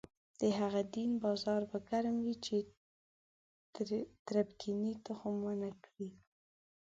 د هغه دین بازار به ګرم وي چې تربګنۍ تخم ونه کري.